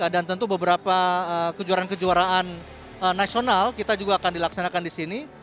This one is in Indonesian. dan tentu beberapa kejuaraan kejuaraan nasional kita juga akan dilaksanakan di sini